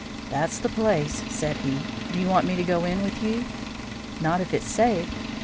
"That's the place," said he. "Do you want me to go in with you?" "Not if it's safe."